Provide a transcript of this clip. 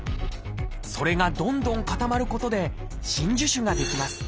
それがどんどん固まることで真珠腫が出来ます。